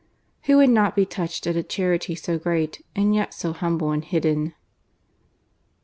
Who would not be touched at a charity so grand, and yet so humble and hidden !